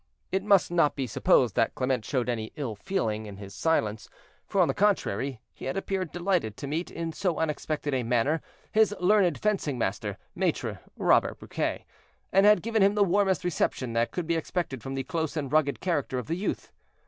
It must not be supposed that Clement showed any ill feeling in his silence; for, on the contrary, he had appeared delighted to meet, in so unexpected a manner, his learned fencing master, Maitre Robert Briquet, and had given him the warmest reception that could be expected from the close and rugged character of the youth.